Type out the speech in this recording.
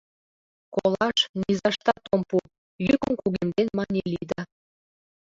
— Колаш низаштат ом пу! — йӱкым кугемден мане Лида.